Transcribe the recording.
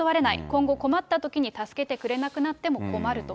今後、困ったときに助けてくれなくなっても困ると。